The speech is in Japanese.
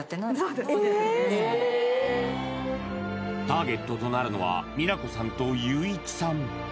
ターゲットとなるのは美奈子さんと佑一さん